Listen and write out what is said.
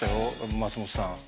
松本さん。